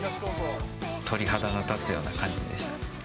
鳥肌が立つような感じでした。